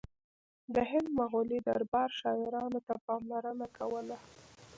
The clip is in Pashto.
د هند مغلي دربار شاعرانو ته پاملرنه کوله